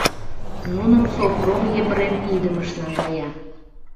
Нуным Сопром Епрем идымыш наҥгая.